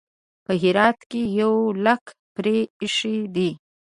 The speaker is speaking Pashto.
په هرات کې یو لیک پرې ایښی دی.